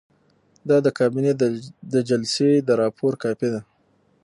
دا د کابینې د جلسې د راپور کاپي ده.